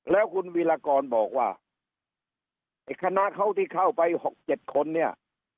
แล้วคุณวิรากรบอกว่าไอ้คณะเขาที่เข้าไป๖๗คนเนี่ย